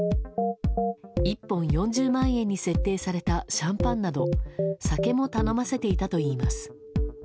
１本４０万円に設定されたシャンパンなど酒も頼ませていたといいます。